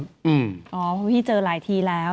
อ๋อเพราะว่าพี่เจอหลายทีแล้ว